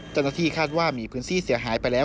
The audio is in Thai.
เจ้าหน้าที่คาดว่ามีพื้นที่เสียหายไปแล้ว